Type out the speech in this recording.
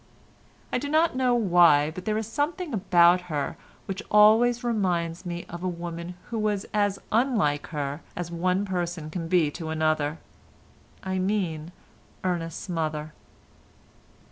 I do not know why, but there is something about her which always reminds me of a woman who was as unlike her as one person can be to another—I mean Ernest's mother.